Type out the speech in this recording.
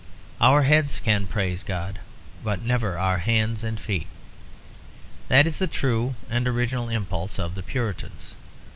Our heads can praise God, but never our hands and feet. That is the true and original impulse of the Puritans.